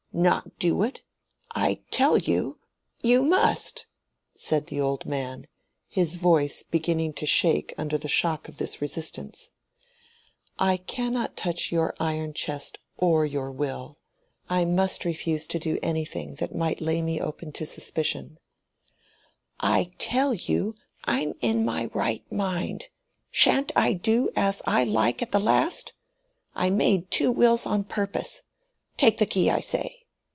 "Not do it? I tell you, you must," said the old man, his voice beginning to shake under the shock of this resistance. "I cannot touch your iron chest or your will. I must refuse to do anything that might lay me open to suspicion." "I tell you, I'm in my right mind. Shan't I do as I like at the last? I made two wills on purpose. Take the key, I say."